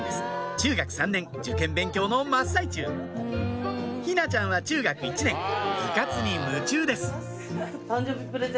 中学３年受験勉強の真っ最中陽菜ちゃんは中学１年部活に夢中です